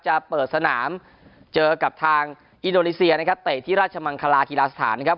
จะเปิดสนามเจอกับทางอินโดนีเซียนะครับเตะที่ราชมังคลาฮีลาสถานนะครับ